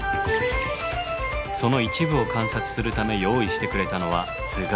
その一部を観察するため用意してくれたのは頭蓋骨。